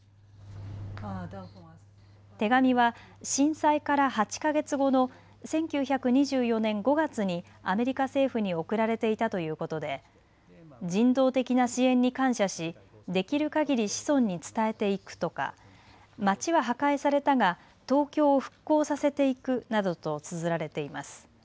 手紙は、震災から８か月後の１９２４年５月にアメリカ政府に送られていたということで人道的な支援に感謝しできるかぎり子孫に伝えていくとか街は破壊されたが東京を復興させていくなどとつづられています。